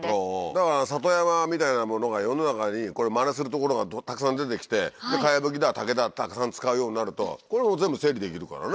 だから里山みたいなものが世の中にマネする所がたくさん出てきて茅葺きだ竹だたくさん使うようになるとこういうのも全部整理できるからね。